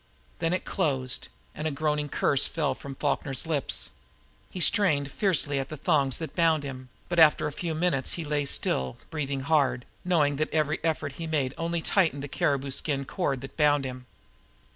Then it closed, and a groaning curse fell from Falkner's lips. He strained fiercely at the thongs that bound him, but after the first few minutes he lay still breathing hard, knowing that every effort he made only tightened the caribou skin cord that bound him.